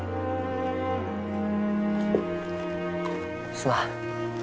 すまん。